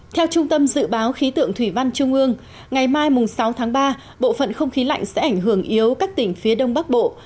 theo trung tâm dự báo khí tượng thủy văn trung ương ngày mai sáu tháng ba bộ phận không khí lạnh sẽ ảnh hưởng yếu các tỉnh phía đông bắc bộ